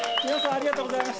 ありがとうございます。